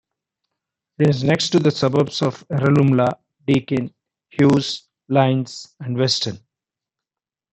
It is next to the suburbs of Yarralumla, Deakin, Hughes, Lyons and Weston.